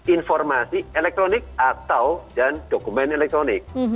informasi elektronik atau dan dokumen elektronik